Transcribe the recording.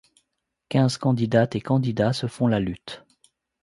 Quinze candidates et candidats se font la lutte.